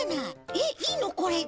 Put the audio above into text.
えっいいのこれで？